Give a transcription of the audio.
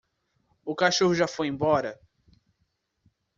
O cachorro já foi embora?